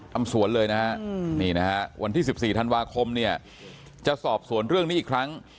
ทำสวนเลยนะฮะนี่นะฮะวันที่๑๔ธันวาคมเนี่ยจะสอบสวนเรื่องนี้อีกครั้ง